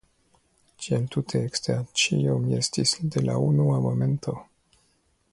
Tiel tute ekster ĉio mi estis de la unua momento.